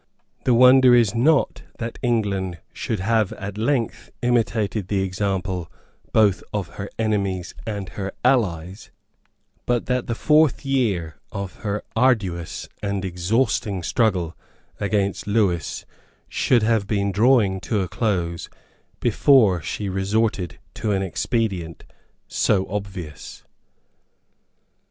The wonder is not that England should have at length imitated the example both of her enemies and of her allies, but that the fourth year of her arduous and exhausting struggle against Lewis should have been drawing to a close before she resorted to an expedient so obvious.